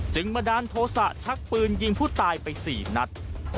บันดาลโทษะชักปืนยิงผู้ตายไป๔นัด